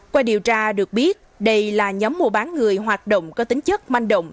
qua điều tra được biết đây là nhóm mua bán người hoạt động có tính chất manh động